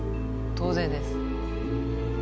当然です。